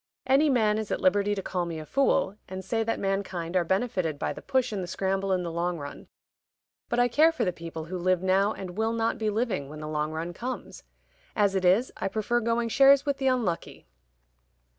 Any man is at liberty to call me a fool, and say that mankind are benefited by the push and the scramble in the long run. But I care for the people who live now and will not be living when the long run comes. As it is, I prefer going shares with the unlucky."